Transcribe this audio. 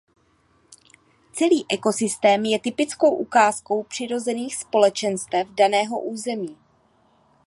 Celý ekosystém je typickou ukázkou přirozených společenstev daného území.